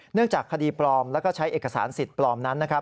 เนื่องจากคดีปลอมและใช้เอกสารสิทธิ์ปลอมนั้น